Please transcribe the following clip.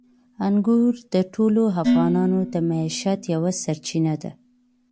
انګور د ټولو افغانانو د معیشت یوه سرچینه ده.